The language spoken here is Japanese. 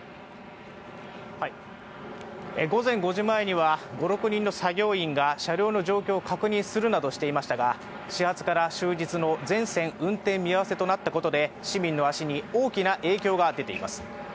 午前５時前には５６人の作業員が車両の様子を確認するなどしていましたが始発から終日の全線運転見合わせとなったことで市民の足に大きな影響が出ています。